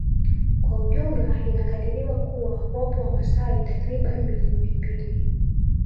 Kwa jumla inakadiriwa kuwa wapo wamasai takribani milioni mbili